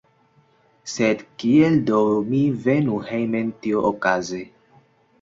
Sed kiel do mi venu hejmen tiuokaze?